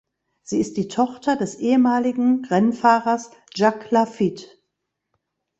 Sie ist die Tochter des ehemaligen Rennfahrers Jacques Laffite.